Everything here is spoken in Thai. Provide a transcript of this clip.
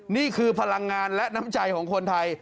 นี่คือพลังงานและน้ำใจของคนไทย